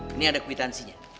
ini ada kwitansinya